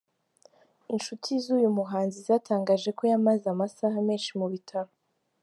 Inshuti z’uyu muhanzi zatangaje ko yamaze amasaha menshi mu bitaro.